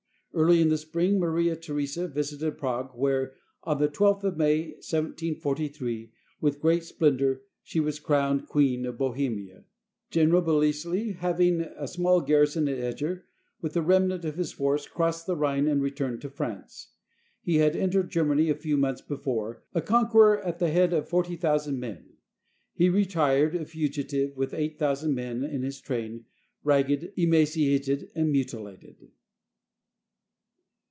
Early in the spring Maria Theresa visited Prague, where, on the 12th of May, 1743, with great splendor she was crowned Queen of Bohemia. General Belleisle, leaving 332 THE COMMAND OF MARIA THERESA a small garrison at Eger, with the remnant of his force crossed the Rhine and returned to France. He had en tered Germany a few months before, a conqueror at the head of 40,000 men. He retired a fugitive with 8000 men in his train, ragged, emaciated, and mutilated.